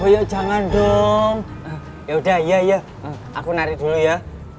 oh ya jangan dong yaudah iya aku narik dulu ya